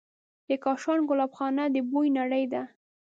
د کاشان ګلابخانه د بوی نړۍ ده.